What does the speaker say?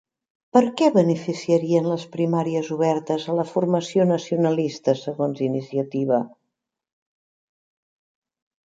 Per què beneficiarien les primàries obertes a la formació nacionalista segons Iniciativa?